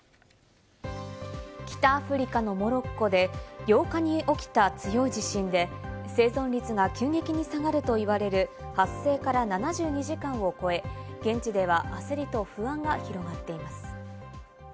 北アフリカのモロッコで８日に起きた強い地震で、生存率が急激に下がるといわれる発生から７２時間を超え、現地では焦りと不安が広がっています。